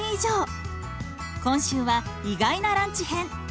今週は意外なランチ編。